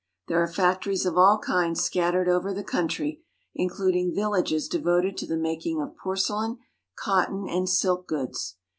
There are factories of all kinds scattered over the country, including villages devoted to the making of porcelain, cotton, and silk goods.